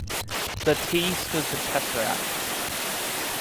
The T stood for "Tesseract".